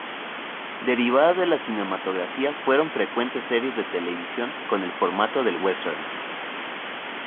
Derivadas de la cinematografía, fueron frecuentes series de televisión con el formato del western.